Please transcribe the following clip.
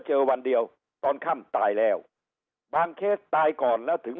วันเดียวตอนค่ำตายแล้วบางเคสตายก่อนแล้วถึง